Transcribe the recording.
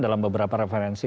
dalam beberapa referensi